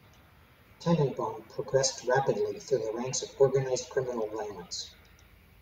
Tannenbaum progressed rapidly through the ranks of organized criminal violence.